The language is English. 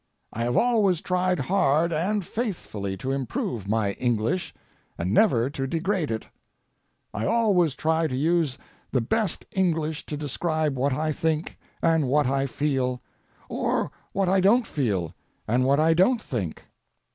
I have always tried hard and faithfully to improve my English and never to degrade it. I always try to use the best English to describe what I think and what I feel, or what I don't feel and what I don't think.